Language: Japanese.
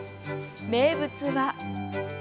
名物は。